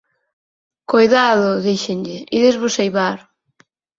Coidado –díxenlle–, ídesvos eivar.